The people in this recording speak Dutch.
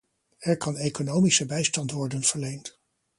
Er kan economische bijstand worden verleend.